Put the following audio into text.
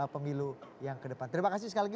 pemilu yang kedepan terima kasih sekali lagi